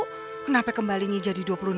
kenapa kembalinya jadi dua puluh enam